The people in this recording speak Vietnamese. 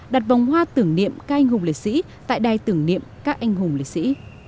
đặt vòng hoa tưởng niệm các anh hùng lễ sĩ tại đài tưởng niệm các anh hùng lễ sĩ